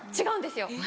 違うんですよ